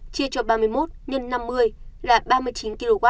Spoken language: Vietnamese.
hai mươi bốn chia cho ba mươi một nhân năm mươi là ba mươi chín kw